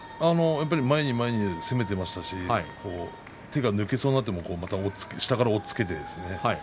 やっぱり前に前に攻めていましたし手が抜けそうになっても、また下から押っつけてですね